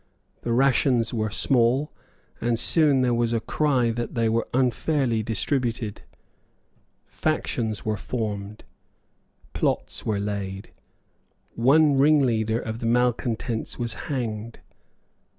The rations were small; and soon there was a cry that they were unfairly distributed. Factions were formed. Plots were laid. One ringleader of the malecontents was hanged.